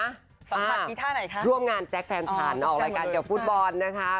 อ้า่ร่วมงานจั๊ก์แฟนฉันก็ออกรายการเกี่ยวกับฟุตบอลนะคะ